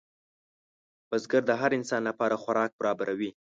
بزګر د هر نسل لپاره خوراک برابروي